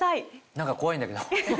何か怖いんだけど。